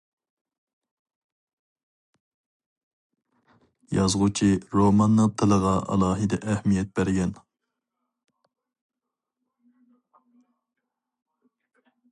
يازغۇچى روماننىڭ تىلىغا ئالاھىدە ئەھمىيەت بەرگەن.